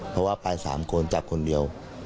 เพราะว่าปานสามคนจับคนเดียว